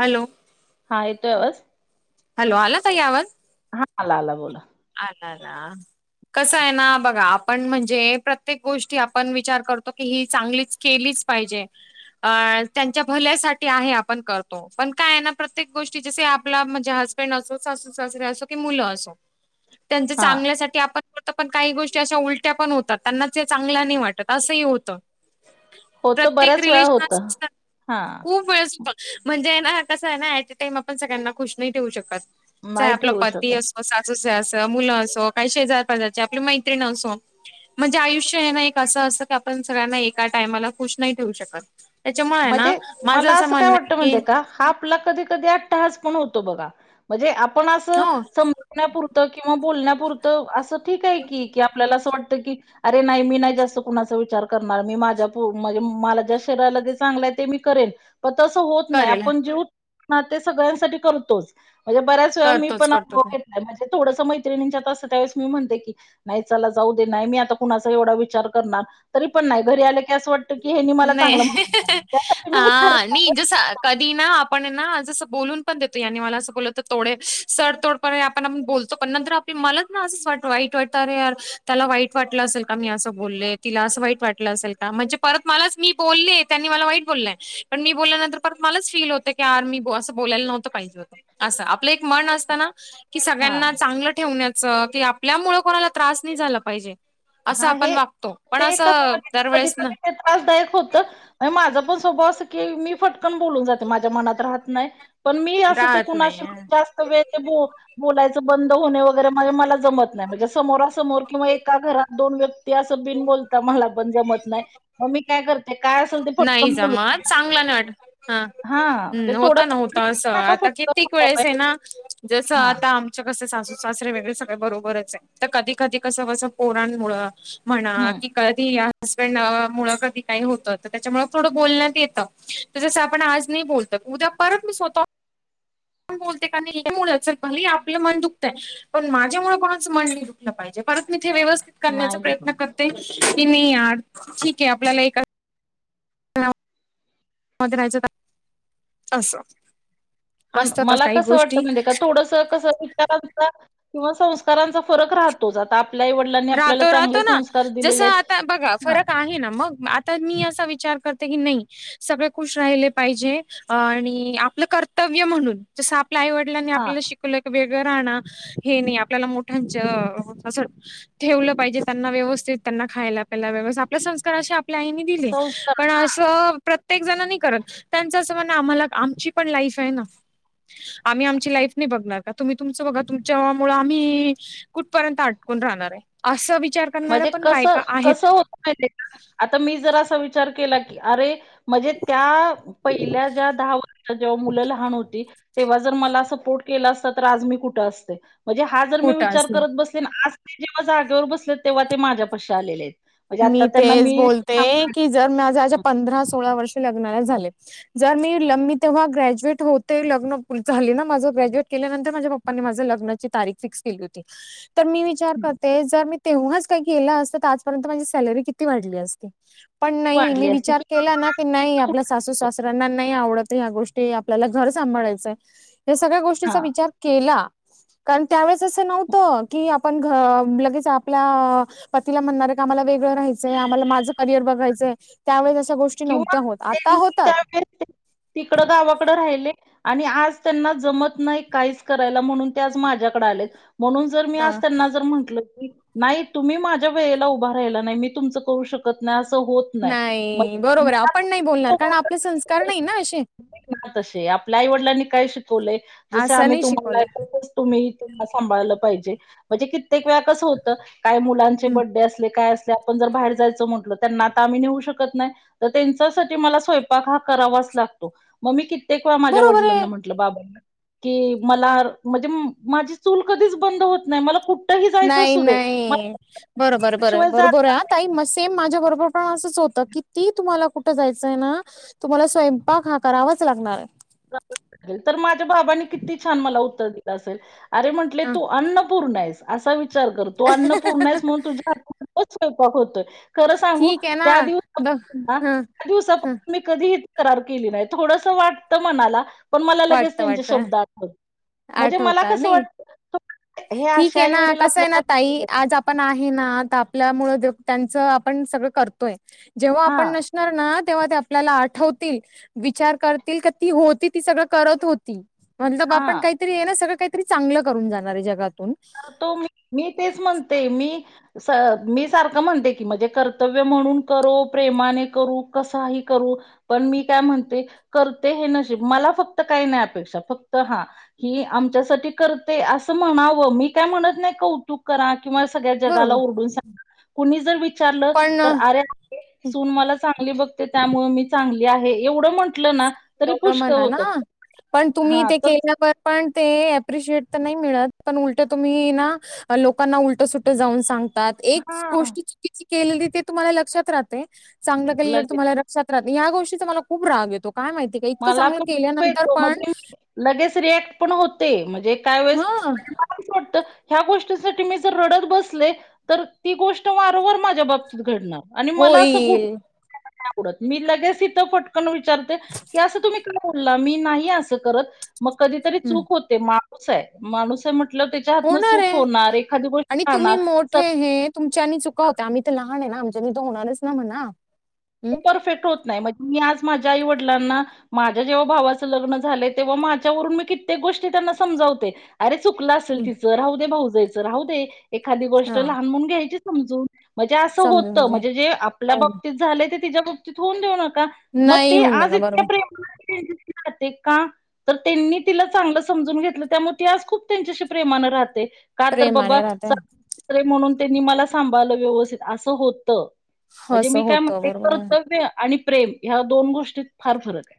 Hello. हा येतोय आवाज? हॅलो आला ताई आवाज? हा आला आला बोला. आलाला. कसं आहे ना बघा आपण म्हणजे प्रत्येक गोष्टी आपण विचार करतो. की ही चांगलीच केलीच पाहिजे. अ त्यांच्या भल्यासाठी आहे आपण करतो पण काय ना प्रत्येक गोष्टी जसे आपला म्हणजे हज बंड असो, सासू सासरे असो, की मुलं असो. त्यांच्या हा चांगल्यासाठी आपण तिथ पण काही गोष्टी अशा उलट्या पण होतात. त्यांना ते चांगला नाही वाटत असंही होतं. होत प्रत्येक बऱ्याच वेळा रिलेशन होत असं असतात, हा खूप वेळेसं म्हणजे ये ना, कसंय ना, ऍटे टाईम आपण सगळ्यांना खुश नाही ठेवू शकत. चाहे नाही आपला ठेवू शकत पती अस सासू स अस, मुलं असो, काही शेजार पाजारची, आपली मैत्रीण असो म्हणजे आयुष्य हे ना एक असं असतं की, आपण सगळ्यांना एका टायमाला खुश नाही ठेवू शकत. त्याच्यामुळे आहे ना म्हणजे माझं मला असं काय म्हणणं आहे वाटत की माहितीये का, हा आपला कधी कधी आटाहास पण होतो बघा. म्हणजे आपण अस हो. सम ण्यापुरत किंवा बोलण्यापुरतं असं ठीक हाय की, की, आपल्याला असं वाटतं की, अरे नाय मी नाय जास्त कुणाचा विचार करणार, मी माझ्या पो म्हणजे मला ज्या शरीरा लगेच चांगलाय ते मी करेन. पण तसं होत नाय. करेल आपण जे होत हा ते सगळ्यांसाठी करतोच. म्हणजे बऱ्याच वेळा मी करतोच पण करतो. अनुभव घेत नाय म्हणजे थोडंसं मैत्रिणीच्यात असं त्यावेळेस मी म्हणते की, नाही चला जाऊ दे नाय मी आता कुणाचा एवढा विचार करणार, तरी पण नाय घरी आल टे असं वाटतं की हेनी मला चांगलं म्ह हा नी जस कधी ना, आपण ये ना जसं बोलुन पण देतो. यानी मला असं बोललं तर थोडेनं, सर तोड आपण आपण बोलतो पण नंतर आप मला ना असंच वाट वाईट वाटतं अरे यार त्याला वाईट वाटलं असेल का मी असं बोलले. तिला असं वाईट वाटलं असेल का म्हणजे परत मलाच मी बोलले, त्यांनी मला वाईट बोललंय, पण मी बोलल्यानंतर मलाच फील होतय यार मी बो असं बोलायला नव्हतं पाहिजे होत. असं आपलं एक मन असत ना की, हा सगळ्यांना चांगलं ठेवण्याचं की, आपल्यामुळ कोणाला त्रास नय झाला पाहिजे. असं हा आपण हे वागतो. पण ते कसं असं म्हणजे कधी दरवेळेस न कधी ते त्रासदायक होत. अनं माझा पण स्वभाव अस की, मी फटकन बोलून जाते. माझ्या मनात राहत नाय. पण मी असं ते राहत नाही कुणाशी ह. जास्त वेळ बो बोलायचं बंद होणे वगैरे म्हणजे मला जमत नाय. म्हणजे समोरासमोर किंवा एका घरात दोन व्यक्ती असं बिन बोलता मला पण जमत नाय. मग मी करते. काय असल ते पटकन बोलूण चांगल ना वाट हा ते हूं होत थोडं ना होत असं नका आता फटकन कित्यीक स्वभाव वेळेस ये आहे ना जसं हा आता त कस सासू सासरे वेगळे सगळे बरोबरच ये, त कधी कधी कसं बसं पोरांमुळं म्हणा हम्म की, कधी या हसबेंड अ मुळ कधी काय होतं. त त्याच्यामुळ थोडं बोलण्यात येत त जसं आपण आज नाही बोलत. उद्या परत मी स्वतःहुन पण बोलते का मुळ भलेही आपलं मन दुखतंय पण माझ्या मुळ कोणाच मन नाय दुख दुखलं पाहीजे. परत मी ते व्यवस्थित करण्याचा नाही दुखत. प्रयत्न करते की, नई यार ठीक ये आपल्याला एका [unintelligible] मध्ये राहायचं [inaudible] असं पण असतातच मला काही कसं वाटतं गोष्टी माहितीये का थोडंसं त कसं इतरांच किंवा संस्काराचा फरक राहतोच. आता आपले आई वडील राहतो राहतो ना, जस आता बघा हां, फरक आहे ना मग, आत तर मी असा विचार करते की नय सगळे खुश राहिले पाहिजे. आणि आपलं कर्तव्य म्हणून जस आपल्या आईवड लांनी हां. आपल्याला शिकलं कं वेगंळ राहण हे नाही आपल्याला मोठ्यांच असं ठेवलं पाहिजे. त्यांना व्यवस्थित त्यांना खायला, प्यायला व्यवस्थित आपल्या संस्काराशी आप आपल्या आईनी दिले, संस्कार पण हां. असं प्रत्येक जणां नी करत. त्यांच असं म्हण आम्हाला आमची पण लाईफ हाय ना आम्ही आमची लाईफ नाही बघणार का, तुम्ही तुमच बघा. तुमच्या मुल आम्ही कुठपर्यंत अटकून राहणार ये. असं विचार करणाऱ्या म्हणजे पण कसं बायका आहेत कसं होतं का आता मी जर असा विचार केला की अरे. म्हणजे त्या पहिल्या ज्या दहा [unintelligible] वर्षात जेव्हा मुलं लहान होती. तेव्हा जर मला सपोर्ट केला असत तर आज मी कुठं असते म्हणजे हा जर मी खोटं विचार असले करत बस. आज ते जेव्हा जागेवर बसलेत तेव्हा ते आज माझ्या पाशी आलेले आहेत. म्हणजे आता मी त्यांना तेच मी बोलते सांभाळते. की जर माझ्या हं, पंधरा सोळा वर्ष लग्नाला झाले. जर मी लमी तेव्हा ग्रॅज्युएट होते लग्न झाली ना माझं ग्रॅज्युएट केल्यानंतर माझ्या पप्पा. माझ लग्नाची तारीख फिक्स केलं होतीत तर मी विच. विचार हं. करते जर मी तेव्हाच काही केलं असतं तर आजपर्यंत माझी सॅलरी किती वाढली असते. पण नाही मी वाढली असती विचार किंवा केला ना. की नाही आपण आपल्या सासू आज सासर्यांना नाही आवडत या गोष्टी आपल्याला घर सांभाळायचंय. या सगळ्या गोष्टीचा हां विचार केला. कारण त्यावेेळेस असं नव्हतं की आपण लगेच आपल्या पतीला म्हणणारे. आम्हाला वेगळं राहायचय आम्हाला माझं करियर बघायचंय त्यावेळेस अशा गोष्टी किंवा नव्हत्या होत आता त्यांनी होतात. त्यावेळेस तिकडं गावाकड राहिले. आणि आज त्यांना जमत नाही काहीच करायला म्हणून ते आज माझ्याकडे आलेत. म्हणून जर मी हा. असताना जर म्हंटलं. नाही तुम्ही माझ्या वेळेला उभा राहिला नाही मी तुमचं करू शकत नाही असं होत. मग नाही बरोबर आहे आपण नाही बोलणार कारण आपले मला संस्कार नाही ना असे. तसे आपल्या आई वडिलांनी काय शिकवलंय जस असं आम्ही नाही तुम्हाला. शिकवलं तुम्ही इथ [unintelligible] सांभाळायला पाहिजे. म्हणजे कित्येक वेळा कस होतं काय मुलांचे हं, बड्डे असले काय असले आपण जर बाहेर जायचं म्हण. त्यांना आता आम्ही नेऊ शकत नाही तर त्यांच्यासाठी मला स्वयंपाक हा करावाच लागतो. मग मी कित्येक वेळा माझ्या बरोबर आहे. वडिलांना म्हणल. बाबाना की मला म्हणजे माझी चूल कधीच बंद होत नाय मला कुठ. नाही नाही बरोबर बर शिवाय बरोबर जात आहे आ. ताई मग सेम माझ्या बरोबर पण असंच होतं कीतीही तुम्हाला कुठं जायचंय ना तुम्हाला स्वयंपाक हा करावाच लागणार हाय. नंतर माझ्या बाबांनी किती छान मला उत्तर दिलं असेलं अरे म्हटले हा तू अन्न. पुर्ण आहेस असा विचार कर तु अन्नपूर्णा हायस म्हणून तुझ्या हातुनच स्वयंपाक होतोय. खरं सांगू ठीक आहे ना त्या दिवस ब पुन्हा ह ह दिवसापासून मी कधीही तक्रार केली नाही थोडसं वाटतं मनाला. पण मला लगेच वाटत त्यांचे वाटत शब्द आठवत म्हणजे मला आठवत कसं नाही वाटत. ठीक आहे ना कसं आहे ना ताई आज आप. पण आहे ना आपल्यामुळे त्यांच आपण सगळं करतोय जेव्हा हां, आपण नश. ना तेव्हा ते आपल्याला आठवतील विचार करतील ती होती ती सगळं करत होती. म्हणल ब आपण हां. काहीतरी आहे ना सगळं काहीतरी चांगलं करून जाणार आहे जगातून. तर तो मी मी तेच म्हणते मी. मी सारखं म्हणते की मजे कर्तव्य म्हणून करो प्रेमाने करू कसाही करू. पण मी काय म्हणते करते हे नशीब मला फक्त काही नाही अपेक्षा फक्त हा. ही आमच्यासाठी करते असं म्हणावं मी. त्या म्हणत नाही कौतुक करा किंवा सगळ्या जगाला बरोबर ओरडून सांग. कुणी जर विचारलं तर पण अरे. सून मला चांगली बघते त्यामुळं मी चांगली आहे एवढं म्हंटलं ना. तरी एवढं पुष्कळ म्हणा होतं ना पण तुम्ही हा ते तस केल्यावर. पण ते अप्रिशिएट तर नाही मिळत पण उलटं तुम्ही ना. लोकांना उलटं सुटं जाऊन सांग त्यात, एक हा गोष्ट चुकीची केलेली ते तुम्हाला लक्षात राहते चांगलं केलेलं लगे तुम्हाला सत्रात या गोष्टीचा मला खूप राग येतो काय माहितीय का इतकं मला चांगलं पण खूप केल्यानंतर येतो पण म्हणजे लगेच रिएक्ट पण होते म्हणजे काय वेळेस हा मला काय वाटतं ह्या गोष्टीसाठी मी जर रडत बसले तर ती गोष्ट वारंवार माझ्या बाबतीत घडणार. आणि मला असं गुट होईल नाही आवडत मी लगेच इथं फटकन विचारते की असं तुम्ही का बोलला, मी नाही असं करत मग कधीतरी हं, चूक होत ते माणूस आहे माणूस आहे म्हटलं, त्याच्या हातनं होणार चूक होणार एखादी गोष्ट राहणार ते हे तुमच्यानी चुका होत्या, आम्ही तर लहान आहे ना आमच्यानी तर होणारच ना म्हणा हम्म परफेक्ट होत नाही म्हणजे मी आज माझ्या आई वडिलांना माझ्या जेव्हा भावाच लग्न झालंय, तेव्हा माझ्या वरून मी कित्येक गोष्टी त्यांना समजावते. अरे चुकलं असेल तिचं राहू दे, भाऊजईचं राहू दे, एखादी गोष्ट हा लहान म्हणून घ्यायची समजून म्हंजे असं समजून होतं घे. मजे जे आपल्या नाही बाबतीत झालंय ते तिच्या बाबतीत होऊन देऊ नका. म नाही ती होऊन आज देणार इतक्या बरोबर प्रेमान त्याच्यांशी राहते का? तर त्यांनी तिला चांगलं समजून घेतलं त्यामुळे ती आज खूप त्यांच्याशी प्रेमान राहते. का तर बाबा प्रेमाने राहते सासरे म्हणून त्यांनी मला सांभाळलं व्यवस्थित असं होतं. म्हणजे हासं मी काय होता म्हणते वत कर्तव्य आणि प्रेम ह्या दोन गोष्टीत फार फरक आहे.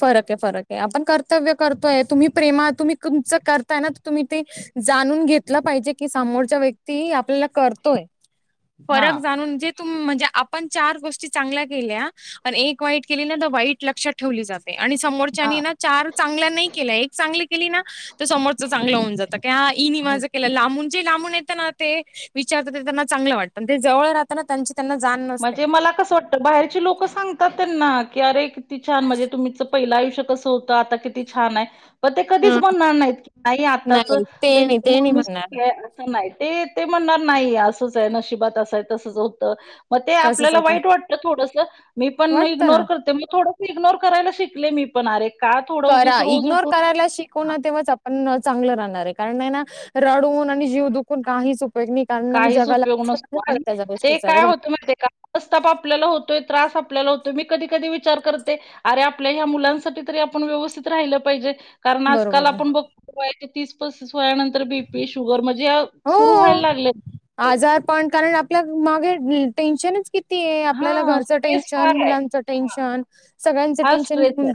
फरक ये फरक ये, पण कर्तव्य करतोय तुम्ही प्रेमा तुम्ही तुमच करताय ना तुम्ही ते जाणून घेतलं पाहिजे, की समोरचा व्यक्ती आपल्याला करतोय. फरक हां, जाणून जेत तुम म्हणजे आपण चार गोष्टी चांगल्या केल्या पण एक वाईट केले ना तर वाईट लक्षात ठेवली जाते ते आणि समोरच्यानी हां. ना चार चांगल्या नाही केल्या एक चांगली केली ना तर समोरच चांगलं होऊन जातय. त्या ईनी हो. माझा केला लांबू जे लांबून येतं ना त ते विचारतात ते त्यांना चांगलं वाटत जे जवळ राहतना त्यांचे त्यांना जाण नसते. म्हणजे मला कस वाट तर बाहेरची लोक सांगतात त्यांना की अरे किती छान म्हणजे तुम्हीच पहिलं आयुष्य कसं होत त आता किती छान आहे पण ते कधीच म्हणार नाहीत की नाही आत्ताच नाही ते नाही त्यांची ते नाही मी, म्हणणार [unintelligible] नाही ते ते म्हणणार नाही असंच आहे नशिबात असंयच आहे तसच होतं. मग ते तसच आपल्याला होतं. वाईट वाटतं थोडसं मी पण वाटतं इग्नोर ना करते थोड इग्नोर करायला शिकले मी पण आरे करा इग्नोर करायला शिक होना तेव्हाच आपण चांगलं राहणार आहे कारण आहे ना रडून आणि जीव दुखून काहीच उपयोग नाही. कारण आहे ना, काहीच जगाला उपयोग नसतो समज पडत आणि त्या ते गोष्टीचा काय बरोबर होत माहिते का मनस्ताप आपल्याला होतोय त्रास आपल्याला होतोय मी कधी कधी विचार करते आरे आपल्या ह्या मुलांसाठी तरी आपण व्यवस्थित राहिलं पाहिजे. कारण आजकाल बरोबर आहे आपण बघतो वयाच्या तीस पस्तीस वयानंतर तर बीपी, शुगर म्हणजे सुरु व्हायला हो लागलेत आजार पण कारण आपल्या मागे टे टेन्शनच की ते आपल्याला हां, घरचं स्ट्रेस टेन्शन, फार आहे. मुलांचं हां, टेन्शन सगळ्यांचं हा टेन्शन स्ट्रेस आहे. घेऊन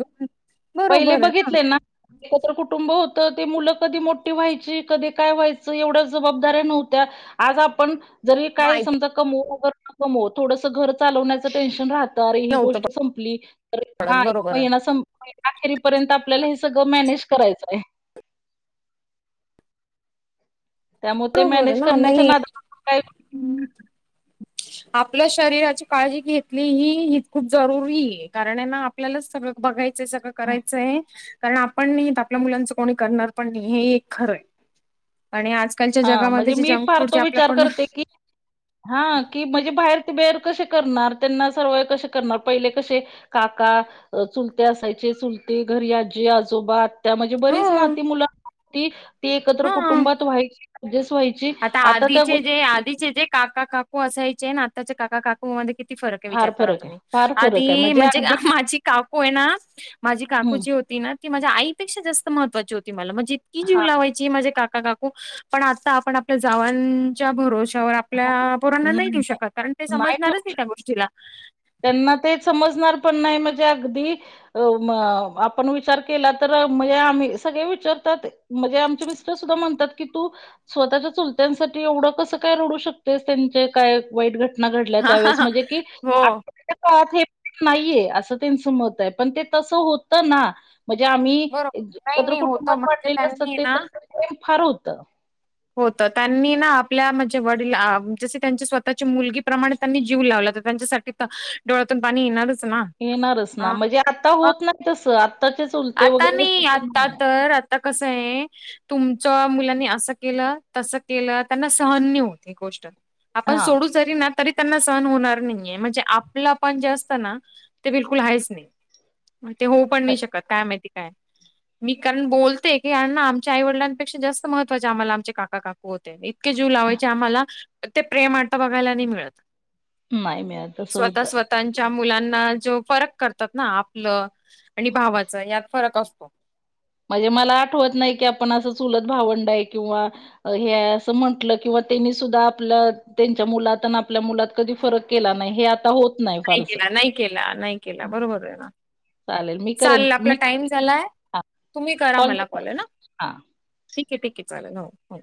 पहिले बरोबर आहे बघितले ना एकत्र कुटुंब होतं ते मुलं कधी मोठी व्हायची कधी काय व्हायचं एवढ्या जबाबदाऱ्या नव्हत्या आज आपण जरी काय माहिती समजा कमवू अगर न कमवू थोडस घर चालवण्याचं टेन्शन राह अरे ही नव्हतं गोष्ट संपली, तर हा पडत एक बरोबर आहे महिना संप अखेरीपर्यंत आपल्याला हे सगळं मॅनेज करायचं आहे. त्यामुळे ते बरोबर आहे मॅनेज ना नाही करण्याच्या नादात काय आपल्या शरीराची काळजी घेतली ही, हीच खूप जरुरी हे कारण आहे ना आपल्यालाच सगळं बघायचय, सगळं करायचय. कारण आपण नाही तर आपल्या मुलांच कोणी करणार पण नाही, हे एक खरं आहे आणि आज हा, म्हणजे मी फार तो विचार करते की हा की म्हणजे बाहेर ते बेअर कसे करणार?, त्यांना सर्व कसे करणार पहिले कसे काका, चुलते असायचे चुलते घरी आजी आजोबा त्या म्हणजे हो बरीच ना ती मुल ती एकत्र हा कुटुंबात व्हायची ऍडजस्ट व्हायची आता त्या आधीचे जे गोष्टी आधीचे जे काका, काकू असायचे ना आत्ताचे काका, का कु मध्ये किती फरक आहे फार विचार करा फरक आहे तुम्ही. फार फरक आहे आधी म्हणजे, अगदी माझी काकू आहे ना माझी काकू हम्म जी होती ना की माझ्या आईपेक्षा जास्त महत्वाची होती मला, म्हणजे इतकी जीव हा लावय ची माझे काका, काकू पण आता आपण आपल्या जावांच्या भरोशावर आप आपल्या पोरांना नाही देऊ शकत, कारण ते समजणारच नाही त्या गोष्टीला. त्यांना ते समजणार पण नाही म्हणजे अगदी अ म आपण विचार केला तर म्हणजे आम्ही सगळे विचारतात म्हणजे आमचे मिस्टर सुद्धा म्हणतात की तू स्वतःच्या चुलत्यांसाठी एवढं कस काय रडू शकतेस त्यांच काय वाईट घट घटना घडल्या हा त्यावेळेस म्हणजे की हो आप ल्या काळात हे नाहीये, असं त्यांचं मत आहे पण ते तसं होत ना. म्हणजे आम्ही बरोबर नाही एकत्र नाही होत कुटुंबात म्हणजे वाढलेले नसल त्यांनी ते तरी ते प्रेम फार होतं. होत, त्यांनी ना आपल्या म्हणजे वडील अ जस त्यांच्या स्वतःच्या मुलगीप्रमाणे त्यांनी जीव लावलाता त्यांच्यासाठी डोळ्यातून पाणी येणारच. ना. येणारच ना, अ म्हणजे आता मग होत नाही, तसं आत्ताच्या चूल आता नाही, आता तर आता कस ये तुमच मुलांनी असं केल, तस केल त्यांना सहन नयी होत ही गोष्ट आपण हा सोडू जरी ना तरी त्यांना सहन होणार नाहीये, म्हणजे आपलं पण जे असतं ना ते बिलकुल आहेच नाही, आणि ते होऊ पण नाही शकत काय माहिती काय? मी कारण बोलते की, यांना आमच्या आईवडलांपेक्षा जास्त महत्त्वाचे आम्हाला आमचे काका, काकू होते. इतके जीव लावायचे आम्हाला, ते प्रेम आता बघायला नाही मिळत. नाही मिळत तस होतं. त्यांच्या मुलांना जो फरक करतात ना, आपलं आणि भावाच यात फरक असतो. म्हणजे मला आठवत नाही, की आपण असं चुलत भावंड आहे किंवा हे हाय अस म्हंटल किंवा त्यांनी सुद्धा आपल त्यांच्या मुलात आणि आपल्या मुलात कधी फरक केला नाही हे आता होत नाही केला, नाही केला, नाही केला बरोबर आहे ना. चालेल मी करेन चाल आपला मी टाइम झालाय, तुम्ही करा मी मला कॉल आहे करते ना! हा ठीक आहे, ठीक आहे चालेल हो हो.